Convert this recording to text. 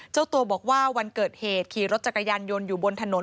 เจ้าตัวบอกว่าวันเกิดเหตุขี่รถจักรยานยนต์อยู่บนถนน